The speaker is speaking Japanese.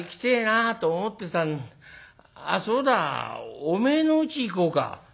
あっそうだお前のうち行こうか」。